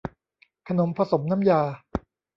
ขนมพอสมน้ำยา